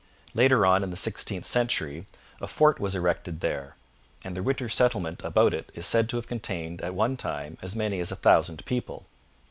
Later on in the sixteenth century a fort was erected there, and the winter settlement about it is said to have contained at one time as many as a thousand people.